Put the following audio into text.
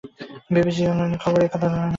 BBC অনলাইনের খবরে এ কথা জানানো হয়।